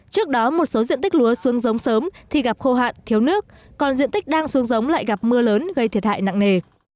trước đó một số diện tích lúa xuống giống sớm thì gặp khô hạn thiếu nước còn diện tích đang xuống giống lại gặp mưa lớn gây thiệt hại nặng nề